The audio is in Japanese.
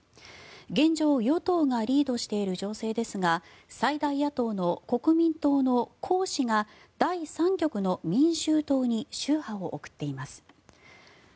現状、与党がリードしている情勢ですが最大野党の国民党のコウ氏が第３極の民衆党に秋波を送っています。